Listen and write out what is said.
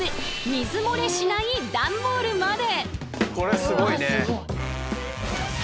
水漏れしない段ボールまで。